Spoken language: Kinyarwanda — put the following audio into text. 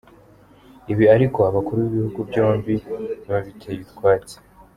Ibi ariko abakuru b’ibihugu byombi babiteye utwatsi.